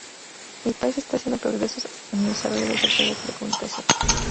El país está haciendo progresos en el desarrollo del sector de telecomunicaciones.